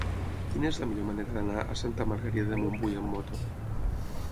Quina és la millor manera d'anar a Santa Margarida de Montbui amb moto?